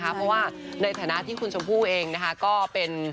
เพราะว่าในฐานะที่คุณชมพู่เองนะคะก็เป็น